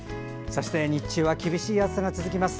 日中は厳しい暑さが続きます。